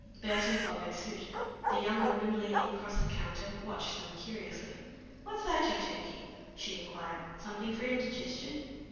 Burton followed suit. The young woman, leaning across the counter, watched them curiously. "What's that you're taking?" she inquired. "Something for indigestion?"